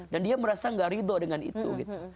dan dia merasa nggak ridho dengan itu gitu